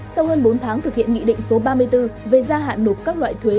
sau hơn bốn tháng thực hiện nghị định số ba mươi bốn về gia hạn nộp các loại thuế